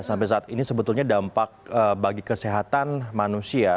sampai saat ini sebetulnya dampak bagi kesehatan manusia